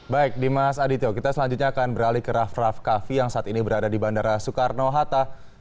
baik dimas adityo kita selanjutnya akan beralih ke raff raff kaffi yang saat ini berada di bandara soekarno hatta